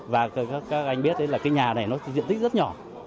và các anh biết đấy là cái nhà này nó có diện tích rất nhỏ